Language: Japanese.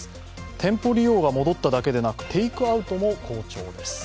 店舗利用が戻っただけでなくテイクアウトも好調です。